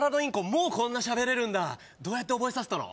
もうこんな喋れるんだどうやって覚えさせたの？